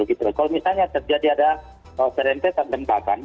kalau misalnya terjadi ada terentetan tembakan